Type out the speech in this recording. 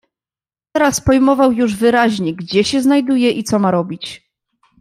"Teraz pojmował już wyraźnie, gdzie się znajduje i co ma robić."